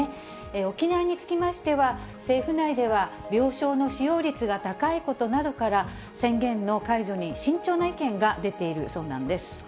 沖縄につきましては、政府内では、病床の使用率が高いことなどから、宣言の解除に慎重な意見が出ているそうなんです。